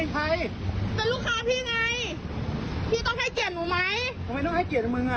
ทำไมต้องให้เกียรติมึงอะ